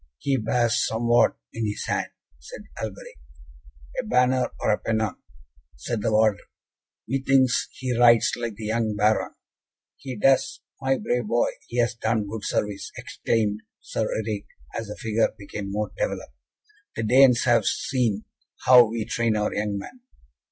"He bears somewhat in his hand," said Alberic. "A banner or pennon," said the warder; "methinks he rides like the young Baron." "He does! My brave boy! He has done good service," exclaimed Sir Eric, as the figure became more developed. "The Danes have seen how we train our young men."